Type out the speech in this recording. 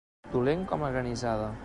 Dolent com la granissada.